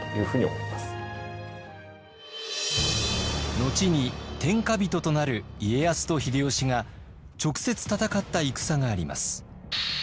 後に天下人となる家康と秀吉が直接戦った戦があります。